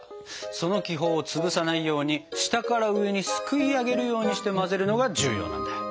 その気泡を潰さないように下から上にすくいあげるようにして混ぜるのが重要なんだ。